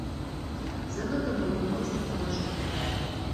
За гэта мы яго моцна паважаем.